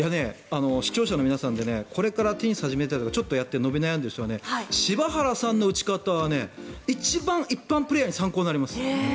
視聴者の皆さんでこれからテニスを始めたい方ちょっとやって伸び悩んでいる人は柴原さんの打ち方は一番、一般プレーヤーの参考になります。